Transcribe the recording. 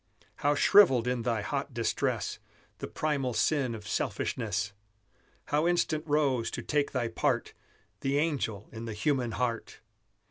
How shrivelled in thy hot distress The primal sin of selfishness! How instant rose, to take thy part, The angel in the human heart!